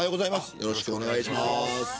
よろしくお願いします。